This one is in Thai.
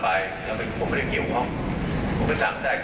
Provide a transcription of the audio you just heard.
ไปเลือกตั้งทุกทุกที